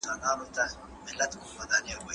ولي بايد دکورني رازونه بهر ته ونه وځي؟